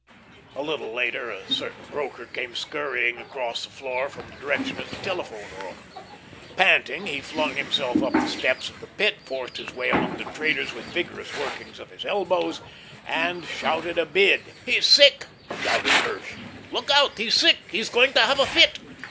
A little later a certain broker came scurrying across the floor from the direction of the telephone room. Panting, he flung himself up the steps of the Pit, forced his way among the traders with vigorous workings of his elbows, and shouted a bid. "He's sick," shouted Hirsch. "Look out, he's sick. He's going to have a fit."